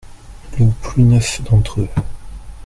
Le plus neuf d'entre eux.